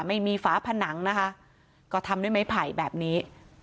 ไม่มีฝาผนังนะคะก็ทำด้วยไม้ไผ่แบบนี้